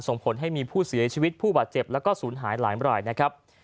ส่งผลให้มีผู้เสียชีวิตผู้บาดเจ็บแล้วก็ศูนย์หายหลายรายนะครับ